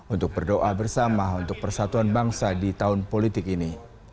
untuk berdoa bersama untuk persatuan bangsa di tahun politik ini